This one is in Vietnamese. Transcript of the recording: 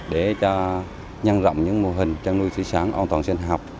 để cho nhân rộng những mô hình chăn nuôi sữa sáng an toàn sinh học